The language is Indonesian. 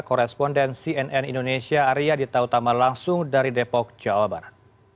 koresponden cnn indonesia arya dita utama langsung dari depok jawa barat